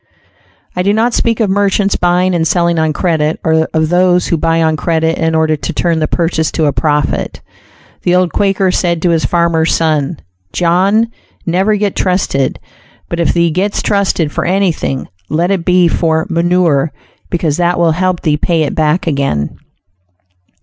I do not speak of merchants buying and selling on credit, or of those who buy on credit in order to turn the purchase to a profit. The old Quaker said to his farmer son, "John, never get trusted; but if thee gets trusted for anything, let it be for 'manure,' because that will help thee pay it back again."